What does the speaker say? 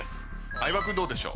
相葉君どうでしょう？